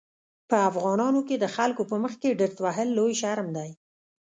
په افغانانو کې د خلکو په مخکې ډرت وهل لوی شرم دی.